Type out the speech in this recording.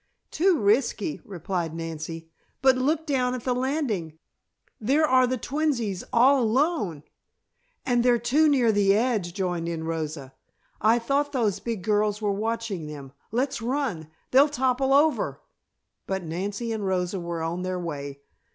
"Too risky!" replied Nancy. "But look down at the landing! There are the twinnies all alone!" "And they're too near the edge," joined in Rosa. "I thought those big girls were watching them. Let's run! They'll topple over " But Nancy and Rosa were on their way.